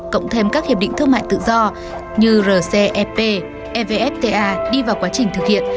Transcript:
cộng thêm các hiệp định thương mại tự do như rcep evfta đi vào quá trình thực hiện